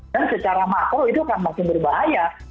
dan secara mako itu akan makin berbahaya